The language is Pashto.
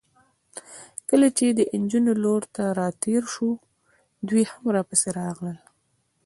کله چې د نجونو لور ته راتېر شوو، دوی هم راپسې راغلل.